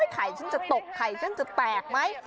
ไข่ซึ่งจะตกไข่ซึ่งจะแตกไหม